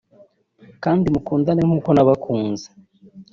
kandi mukundane nk’uko nabakunze